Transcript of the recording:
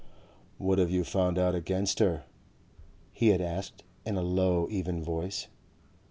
"What have you found out against her?" he had asked in a low even voice.